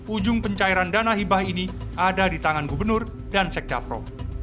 ujung pencairan dana hibah ini ada di tangan gubernur dan sekda prof